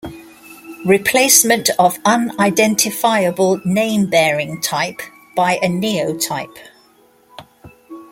Replacement of unidentifiable name-bearing type by a neotype.